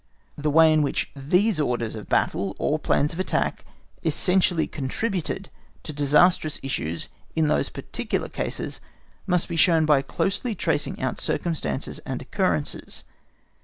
The way in which these orders of battle or plans of attack essentially contributed to disastrous issues in those particular cases must be shown by closely tracing out circumstances and occurrences.